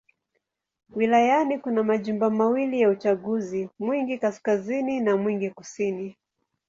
Wilayani kuna majimbo mawili ya uchaguzi: Mwingi Kaskazini na Mwingi Kusini.